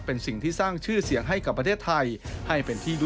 เป็นสิ่งที่สร้างชื่อเสียงให้กับภเทศไทย